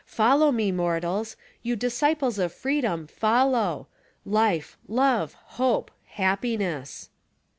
Follow me, mortals; you disciples of freedom follow : "Life, love, hope — happiness."